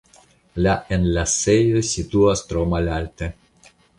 La enlasejo situas tro malalte.